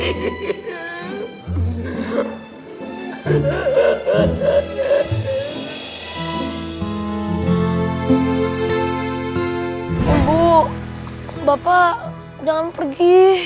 ibu bapak jangan pergi